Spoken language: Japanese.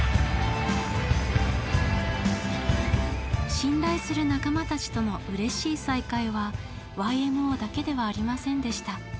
信頼する仲間たちとのうれしい再会はＹＭＯだけではありませんでした。